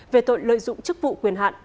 về tội lợi dụng chức vụ quyền hạn